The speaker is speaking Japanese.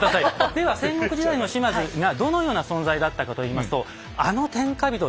では戦国時代の島津がどのような存在だったかといいますとこちらをご覧下さい。